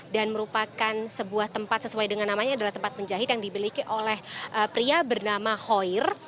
dan merupakan sebuah tempat sesuai dengan namanya adalah tempat penjahit yang dibeliki oleh pria bernama hoyer